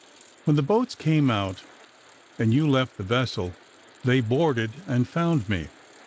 When the boats came out, and you left the vessel, they boarded and found me.